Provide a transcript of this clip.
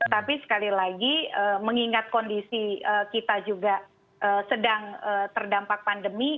tapi sekali lagi mengingat kondisi kita juga sedang terdampak pandemi